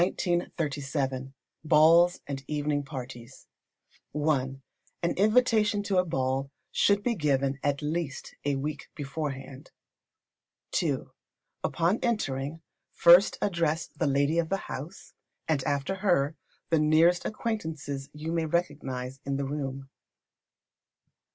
Balls and Evening Parties. i. An invitation to a ball should be given at least a week beforehand. ii. Upon entering, first address the lady of the house; and after her, the nearest acquaintances you may recognise in the room.